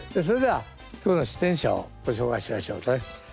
それでは今日の出演者をご紹介しましょうね。